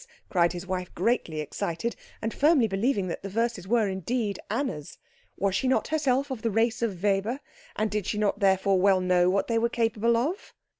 cried his wife, greatly excited, and firmly believing that the verses were indeed Anna's. Was she not herself of the race of Weiber, and did she not therefore well know what they were capable of?